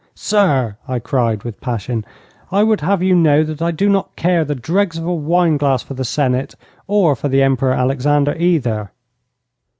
'Sir,' I cried, with passion, 'I would have you know that I do not care the dregs of a wine glass for the Senate or for the Emperor Alexander either.'